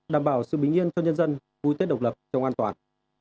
đảm bảo sự bình yên cho nhân dân vui tết độc lập trong an toàn